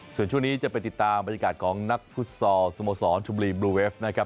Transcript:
ส่วนช่วงนี้จะไปติดตามบรรยากาศของนักฟุตซอลสโมสรชมบุรีบลูเวฟนะครับ